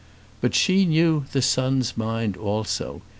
But she knew the son's mind also.